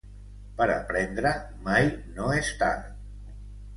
Per aprendre mai no és tard.